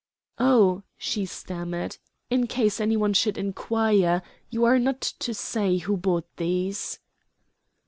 "Oh," she stammered, "in case any one should inquire, you are not to say who bought these."